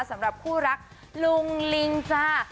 สำหรับคู่รักลุงลิงจ้า